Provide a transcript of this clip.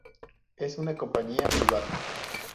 Es una compañía privada.